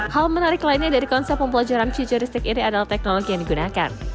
hal menarik lainnya dari konsep pembelajaran futuristik ini adalah teknologi yang digunakan